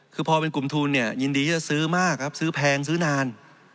คือพอเป็นกลุ่มทุนยินดีจะซื้อมากซื้อแพงซื้อนาน